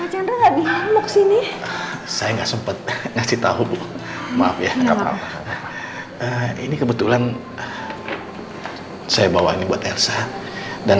katanya enggak bisa moksini saya sempet atuh maaf ya terrembapan ini kebetulan saya bisa hai dan